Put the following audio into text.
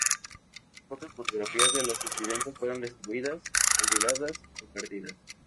Las pocas fotografías de los incidentes fueron destruidas, olvidadas o perdidas.